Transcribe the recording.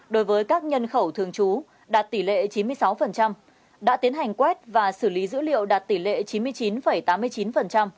đối với các nhân khẩu thường trú đạt tỷ lệ chín mươi sáu đã tiến hành quét và xử lý dữ liệu đạt tỷ lệ chín mươi chín tám mươi chín